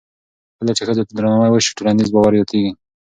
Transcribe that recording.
کله چې ښځو ته درناوی وشي، ټولنیز باور زیاتېږي.